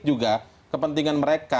juga kepentingan mereka